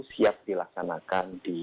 siap dilaksanakan di